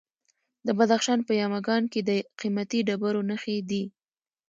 د بدخشان په یمګان کې د قیمتي ډبرو نښې دي.